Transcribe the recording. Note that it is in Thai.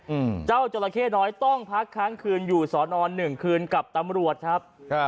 อืมเจ้าจราเข้น้อยต้องพักค้างคืนอยู่สอนอนหนึ่งคืนกับตำรวจครับอ่า